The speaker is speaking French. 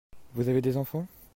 Vous avez des enfants ?